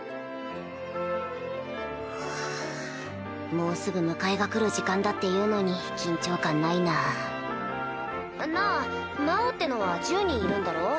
もうすぐ迎えが来る時間だっていうのに緊張感ないなぁなぁ魔王ってのは１０人いるんだろ？